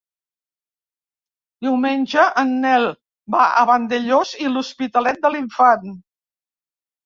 Diumenge en Nel va a Vandellòs i l'Hospitalet de l'Infant.